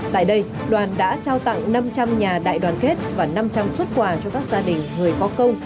tại đây đoàn đã trao tặng năm trăm linh nhà đại đoàn kết và năm trăm linh xuất quà cho các gia đình người có công